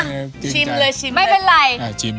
นะอ่าบชิมเลยชิม